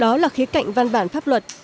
đó là khía cạnh văn bản pháp luật